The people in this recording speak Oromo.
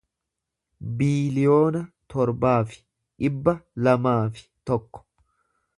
biiliyoona torbaa fi dhibba lamaa fi tokko